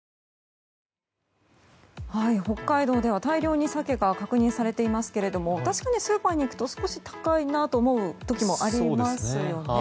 北海道では大量にサケが確認されていますが確かに、スーパーに行くと少し高いなと思う時もありますよね。